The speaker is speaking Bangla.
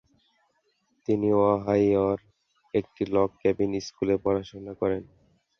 তিনি ওহাইওর একটি লগ কেবিন স্কুলে পড়াশোনা করেন।